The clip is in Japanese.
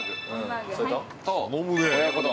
と？◆親子丼。